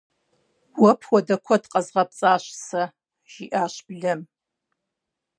- Уэ пхуэдэ куэд къэзгъэпцӀащ сэ, - жиӏащ блэм.